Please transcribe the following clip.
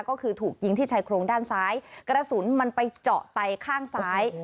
ก็คือถูกยิงที่ชายโครงด้านซ้ายกระสุนมันไปเจาะไตข้างซ้าย